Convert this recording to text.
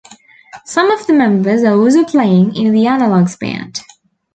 Some of the members are also playing in The Analogs band.